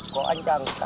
có ánh trăng cắt được